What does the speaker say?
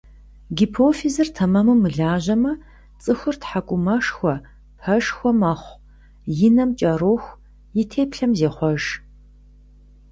Гипофизыр тэмэму мылажьэмэ, цӀыхур тхьэкӀумэшхуэ, пэшхуэ, мэхъу, и нэм кӀэроху, и теплъэм зехъуэж.